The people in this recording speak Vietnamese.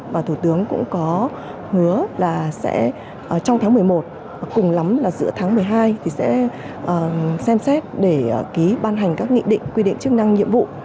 và thủ tướng cũng có hứa là sẽ trong tháng một mươi một cùng lắm là giữa tháng một mươi hai thì sẽ xem xét để ký ban hành các nghị định quy định chức năng nhiệm vụ